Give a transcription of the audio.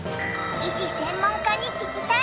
医師・専門家に聞きたい！